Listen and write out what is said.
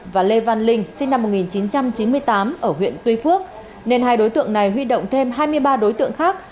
và lê văn linh sinh năm một nghìn chín trăm chín mươi tám ở huyện tuy phước nên hai đối tượng này huy động thêm hai mươi ba đối tượng khác